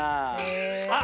あっ！